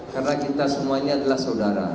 karena kita semuanya adalah saudara